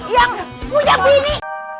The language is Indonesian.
yang punya bini